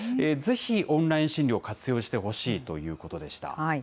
ぜひオンライン診療を活用してほしいということでした。